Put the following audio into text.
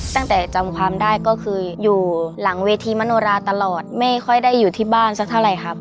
จำความได้ก็คืออยู่หลังเวทีมโนราตลอดไม่ค่อยได้อยู่ที่บ้านสักเท่าไหร่ครับ